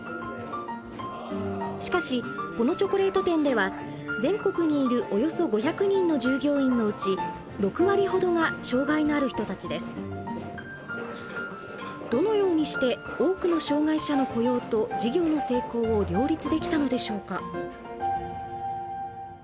しかしこのチョコレート店では全国にいるおよそ５００人の従業員のうちどのようにして多くの障害者の雇用と事業の成功を両立できたのでしょうか。